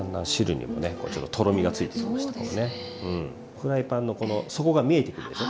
フライパンの底が見えてくるでしょ。